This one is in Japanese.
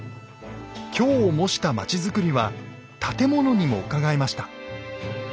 京を模した町づくりは建物にもうかがえました。